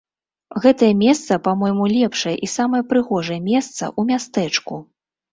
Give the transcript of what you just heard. Гэтае месца, па-мойму, лепшае і самае прыгожае месца ў мястэчку.